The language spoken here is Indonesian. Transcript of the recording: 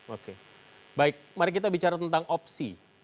oke baik mari kita bicara tentang opsi